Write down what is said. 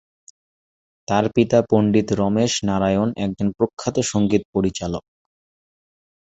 তার পিতা পণ্ডিত রমেশ নারায়ণ একজন প্রখ্যাত সঙ্গীত পরিচালক।